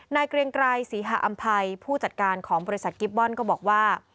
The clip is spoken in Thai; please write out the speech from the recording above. เกรียงไกรศรีหาอำภัยผู้จัดการของบริษัทกิฟตบอลก็บอกว่า